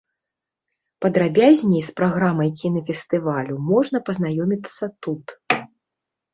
Падрабязней з праграмай кінафестывалю можна пазнаёміцца тут.